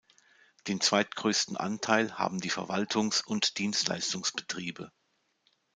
Den zweitgrößten Anteil haben die Verwaltungs- und Dienstleistungsbetriebe.